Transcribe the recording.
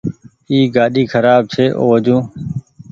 اي گآڏي کراب ڇي او وجون۔